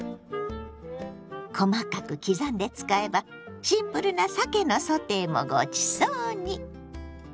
細かく刻んで使えばシンプルなさけのソテーもごちそうに！